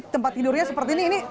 tempat tidurnya seperti ini